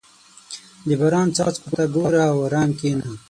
• د باران څاڅکو ته ګوره او ارام کښېنه.